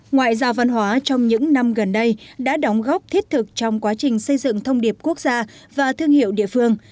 ngoại giao văn hóa trong những năm gần đây đã đóng góp thiết thực trong quá trình xây dựng thông điệp quốc gia và thương hiệu địa phương